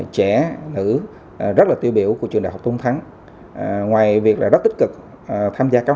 trẻ nữ rất là tiêu biểu của trường đại học tôn thắng ngoài việc rất tích cực tham gia các